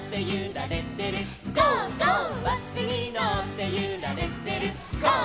「バスにのってゆられてるゴー！